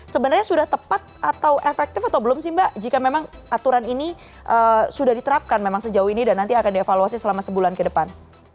sebenarnya sudah tepat atau efektif atau belum sih mbak jika memang aturan ini sudah diterapkan memang sejauh ini dan nanti akan dievaluasi selama sebulan ke depan